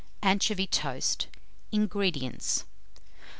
ANCHOVY TOAST. 228. INGREDIENTS.